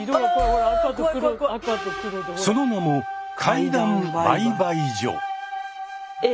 その名も「怪談売買所」。